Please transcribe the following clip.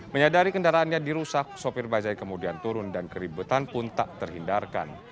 menyadari kendaraannya dirusak sopir bajai kemudian turun dan keributan pun tak terhindarkan